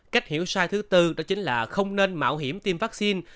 cách hiểu sai thứ tư đó chính là không nên mạo hiểm tiêm vaccine